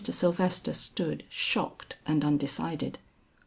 Sylvester stood shocked and undecided.